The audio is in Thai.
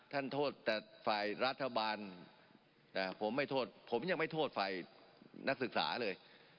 ท่านโทษแต่ฝ่ายรัฐบาลผมไม่โทษผมยังไม่โทษฝ่ายนักศึกษาเลย